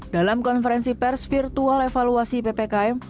dalam konferensi pers virtual evaluasi ppkm